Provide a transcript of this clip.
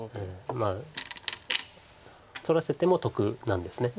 取らせても得なんです。